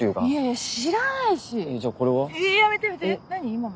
今の。